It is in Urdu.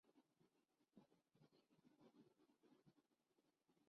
وفاقی وزیر سمندر پار پاکستانی صدر الدین راشدی کی سعودی لیبر کے وزیر سے اہم ملاقات